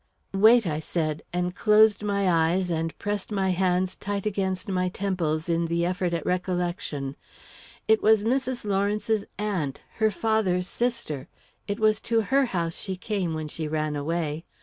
"Wait!" I said, and closed my eyes and pressed my hands tight against my temples in the effort at recollection. "It was Mrs. Lawrence's aunt her father's sister. It was to her house she came when she ran away.